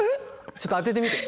ちょっと当ててみて。